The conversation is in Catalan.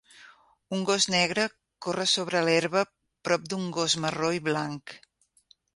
Un gos negre corre sobre l'herba prop d'un gos marró i blanc.